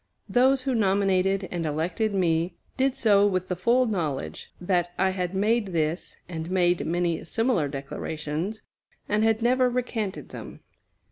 Those who nominated and elected me did so with the full knowledge that I had made this, and made many similar declarations, and had never recanted them.